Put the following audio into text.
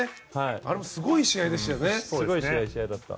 あれもすごい試合でしたね。